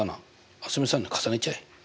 蒼澄さんのに重ねちゃえ。